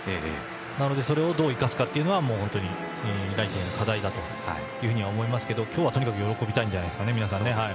なので、それをどう生かすかというのは来季への課題だと思いますが今日はとにかく喜びたいと思いますね。